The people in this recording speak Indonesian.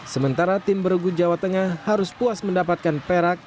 sementara tim bergu jawa tengah harus puas mendapatkan perak